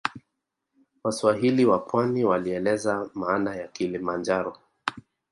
Waswahili wa pwani walieleza maana ya kilimanjoro